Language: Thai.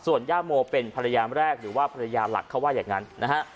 ส่วนย่าโมเป็นภรรยาแรกหรือว่าภรรยาหลักเขาว่าอย่างนั้นนะฮะ